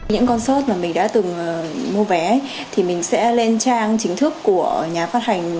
những con sơt mà mình đã từng mua vé thì mình sẽ lên trang chính thức của nhà phát hành